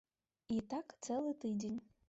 І так цэлы тыдзень.